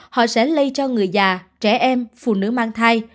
họ sẽ lây cho người già trẻ em phụ nữ mang thai